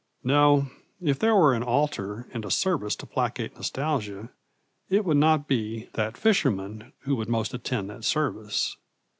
No, if there were an altar and a service to placate nostalgia it would not be that fisherman who would most attend that service.